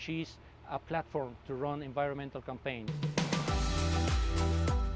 jadi ini adalah platform untuk mengadakan kampanye lingkungan